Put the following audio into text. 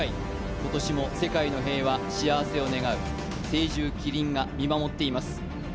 今年も世界の平和、幸せを願う聖獣麒麟が見守っています。